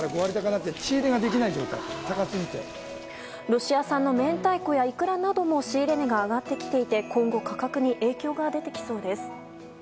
ロシア産の明太子やイクラなども仕入れ値が上がってきていて今後、価格に影響が出てきそうです。